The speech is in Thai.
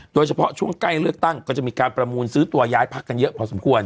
โดยเฉพาะช่วงใกล้เลือกตั้งก็จะมีการประมูลซื้อตัวย้ายพักกันเยอะพอสมควร